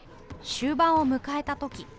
終盤を迎えたとき。